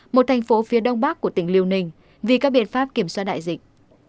một thành phố phía đông bắc của tỉnh liêu ninh vì các biện pháp kiểm soát đại dịch